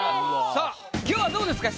さあ今日はどうですか？